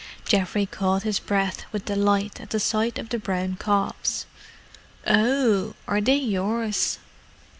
Geoffrey caught his breath with delight at the sight of the brown cobs. "Oh h! Are they yours?"